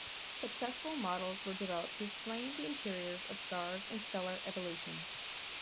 Successful models were developed to explain the interiors of stars and stellar evolution.